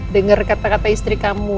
dengar kata kata istri kamu